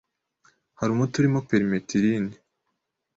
hari umuti urimo perimetirini,